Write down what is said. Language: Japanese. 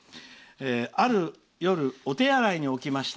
「ある夜、お手洗いに起きました。